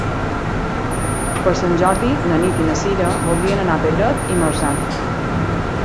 Per Sant Jordi na Nit i na Cira voldrien anar a Pedret i Marzà.